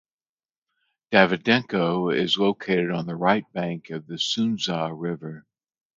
Davydenko is located on the right bank of the Sunzha River.